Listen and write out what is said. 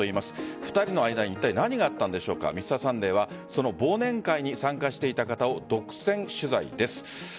２人の間にいったい何があったんでしょうか「Ｍｒ．サンデー」はその忘年会に参加していた方を独占取材です。